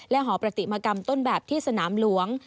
หอประติมากรรมต้นแบบที่สนามหลวง